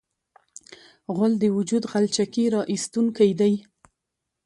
غول د وجود غلچکي راایستونکی دی.